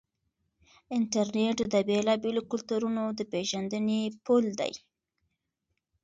انټرنیټ د بېلابېلو کلتورونو د پیژندنې پل دی.